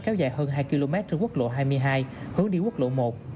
kéo dài hơn hai km trên quốc lộ hai mươi hai hướng đi quốc lộ một